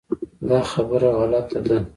دا خبره غلطه ده .